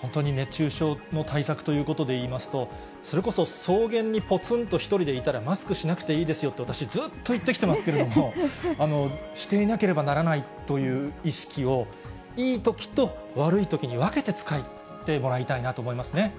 本当に、熱中症の対策ということでいいますと、それこそ草原にぽつんと１人でいたらマスクしなくていいですよと、私ずっと言ってきていますけれども、していなければならないという意識を、いいときと悪いときに分けて使ってもらいたいなと思いますね。